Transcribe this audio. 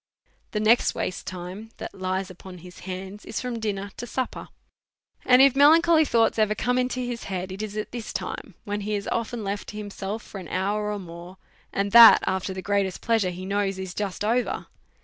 The next waste time that lies upon his hands is from dinner to supper ; and if melancholy thoughts ever come into his head it is at this time, when he is often left to himself for an hour or more, and that af ter the greatest pleasure he knows is just over.